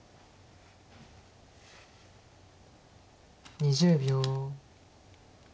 ２０秒。